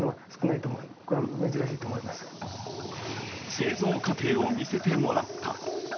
製造過程を見せてもらった。